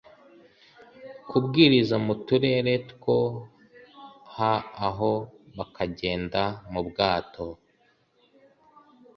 kubwiriza mu turere two ha aho bakagenda mu bwato